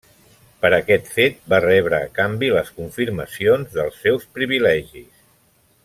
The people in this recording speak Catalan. Per aquest fet, va rebre a canvi les confirmacions dels seus privilegis.